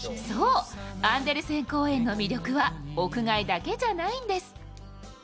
そう、アンデルセン公園の魅力は屋外だけじゃないんです。